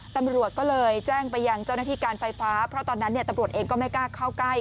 ตำรวจก็เลยแจ้งไปยังเจ้าหน้าที่การไฟฟ้าเพราะตอนนั้นตำรวจเองก็ไม่กล้าเข้าใกล้